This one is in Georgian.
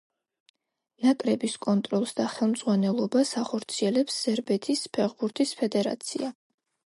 ნაკრების კონტროლს და ხელმძღვანელობას ახორციელებს სერბეთის ფეხბურთის ფედერაცია.